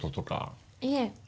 いえ。